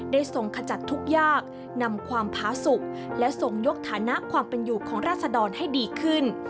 ได้ส่งขจัดทุกอย่างนำความพ้าสุขและส่งยกฐานะความประนิยุของราชดอนให้ดีขึ้น